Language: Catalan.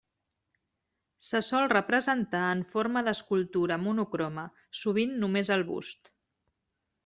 Se sol representar en forma d'escultura monocroma, sovint només el bust.